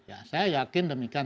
ya saya yakin demikian